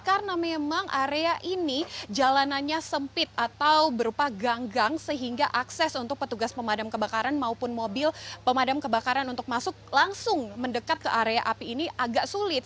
karena memang area ini jalanannya sempit atau berupa ganggang sehingga akses untuk petugas pemadam kebakaran maupun mobil pemadam kebakaran untuk masuk langsung mendekat ke area api ini agak sulit